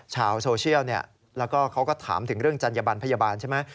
ชาวโซเชียลแล้วก็เขาก็ถามถึงเรื่องจัญญบันพยาบาลใช่ไหม